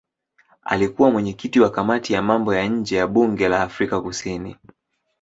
Alikuwa mwenyekiti wa kamati ya mambo ya nje ya bunge la Afrika Kusini.